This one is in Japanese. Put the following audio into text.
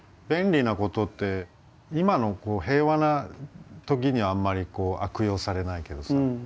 便利なことって今の平和なときにはあんまり悪用されないけどさ